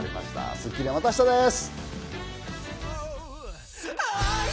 『スッキリ』はまた明日です。